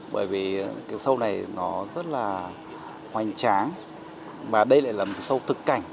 bởi vì sâu này rất là hoành tráng và đây lại là sâu thực cảnh